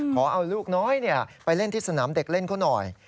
ขอเอาลูกน้อยไปเล่นที่สนามเด็กเล่นเขาหน่อย